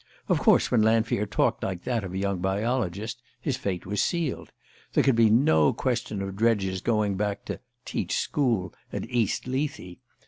Of course when Lanfear talked like that of a young biologist his fate was sealed. There could be no question of Dredge's going back to "teach school" at East Lethe.